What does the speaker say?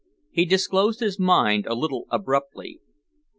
He disclosed his mind a little abruptly.